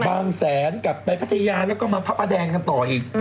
แสนกลับไปพัทยาแล้วก็มาพระประแดงกันต่ออีก